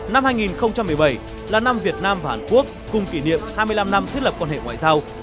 năm hai nghìn một mươi bảy là năm việt nam và hàn quốc cùng kỷ niệm hai mươi năm năm thiết lập quan hệ ngoại giao